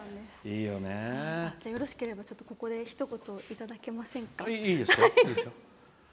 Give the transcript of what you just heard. よろしければ、ここでひと言いただけませんか。